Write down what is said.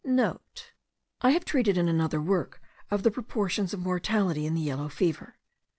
(* I have treated in another work of the proportions of mortality in the yellow fever.